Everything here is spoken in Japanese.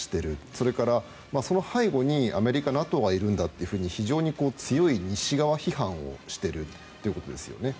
それから、その背後にアメリカ、ＮＡＴＯがいるんだと非常に強い西側批判をしているということですよね。